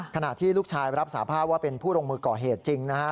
ขณะที่ลูกชายรับสาภาพว่าเป็นผู้ลงมือก่อเหตุจริงนะฮะ